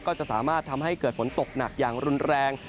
ก็จะสามารถทำให้เกิดฝนตกหนักอย่างรุนแรง